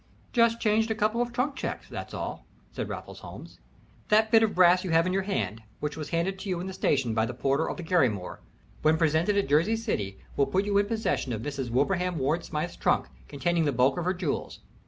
"Just changed a couple of trunk checks, that's all," said Raffles Holmes. "That bit of brass you have in your hand, which was handed to you in the station by the porter of the Garrymore, when presented at Jersey City will put you in possession of Mrs. Wilbraham Ward Smythe's trunk, containing the bulk of her jewels.